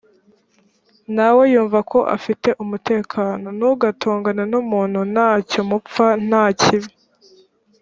nawe yumva ko afite umutekano. ntugatongane n’umuntu nta cyo mupfa, nta kibi